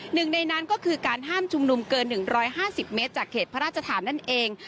หนึ่งในนั้นก็คือการห้ามชุมนุมเกิน๑๕๐เมตรจากเขตพระราชฐานนั่นเอง